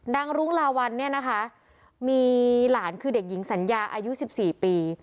รุ้งลาวัลเนี่ยนะคะมีหลานคือเด็กหญิงสัญญาอายุ๑๔ปี